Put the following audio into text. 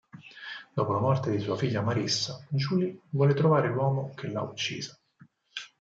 Dopo la morte di sua figlia Marissa, Julie vuole trovare l'uomo che l'ha uccisa.